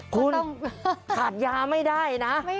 คุณขาดยาไม่ได้นะ